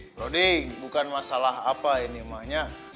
brody bukan masalah apa ini emaknya